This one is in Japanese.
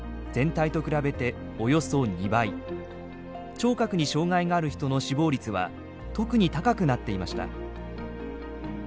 聴覚に障害がある人の死亡率は特に高くなっていました。